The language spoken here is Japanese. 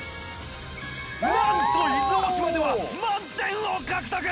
なんと伊豆大島では満点を獲得！